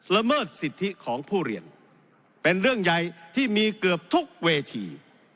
เมิดสิทธิของผู้เรียนเป็นเรื่องใหญ่ที่มีเกือบทุกเวที